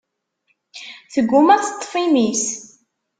Tegguma ad teṭṭef imi-s.